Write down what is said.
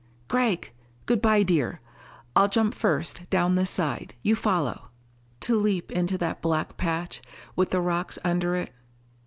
"Gregg...." "Good bye, dear. I'll jump first, down this side, you follow." To leap into that black patch, with the rocks under it....